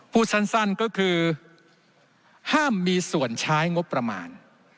พูดสั้นก็คือห้ามมีส่วนใช้งบประมาณ